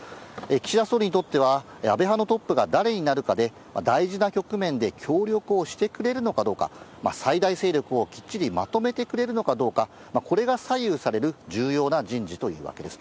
岸田総理にとっては、安倍派のトップが誰になるかで、大事な局面で協力をしてくれるのかどうか、最大勢力をきっちりまとめてくれるのかどうか、これが左右される重要な人事というわけです。